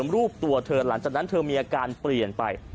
รูปตัวเธอหลังจากนั้นเธอมีอาการเปลี่ยนไป